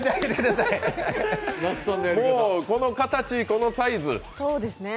この形、このサイズ。